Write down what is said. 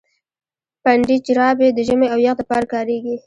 پنډي جراپي د ژمي او يخ د پاره کاريږي.